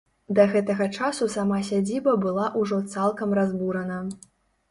Да гэтага часу сама сядзіба была ўжо цалкам разбурана.